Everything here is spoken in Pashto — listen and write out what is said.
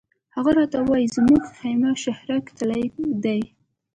هغه راته وایي زموږ خیمه شهرک طلایي دی.